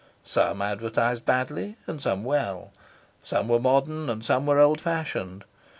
Some advertised badly and some well. Some were modern and some were old fashioned.